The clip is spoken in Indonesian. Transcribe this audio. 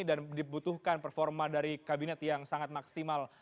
dan dibutuhkan performa dari kabinet yang sangat maksimal